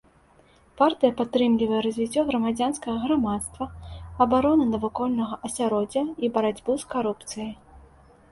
Партыя падтрымлівае развіццё грамадзянскага грамадства, абароны навакольнага асяроддзя і барацьбу з карупцыяй.